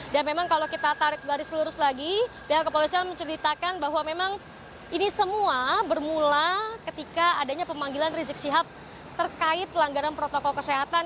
dan memang kalau kita tarik dari seluruh lagi pihak kepolisian menceritakan bahwa memang ini semua bermula ketika adanya pemanggilan rizik syihab terkait pelanggaran protokol kesehatan